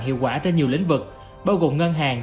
hiệu quả trên nhiều lĩnh vực bao gồm ngân hàng